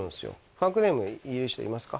ファンクネームいる人いますか？